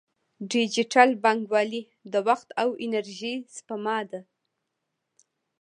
ډیجیټل بانکوالي د وخت او انرژۍ سپما ده.